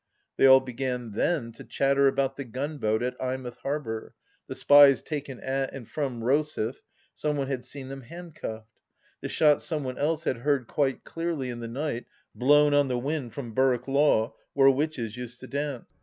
They all began then to chatter about the gunboat at Eye mouth harbour, the spies taken at and from Rosyth (some one had seen them handcuffed !), the shots some one else had heard quite clearly in the night blown on the wind from Berwick Law, where witches used to dance.